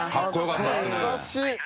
優しい！